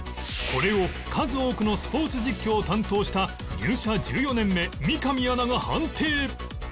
これを数多くのスポーツ実況を担当した入社１４年目三上アナが判定